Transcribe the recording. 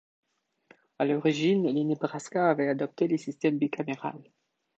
À l'origine, le Nebraska avait adopté le système bicaméral.